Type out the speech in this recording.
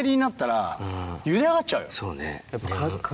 そうね。